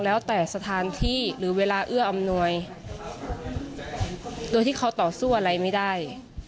แล้วแต่สถานที่หรือเวลาเอื้ออำนวยโดยที่เขาต่อสู้อะไรไม่ได้